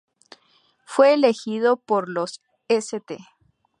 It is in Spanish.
Fue elegido por los St.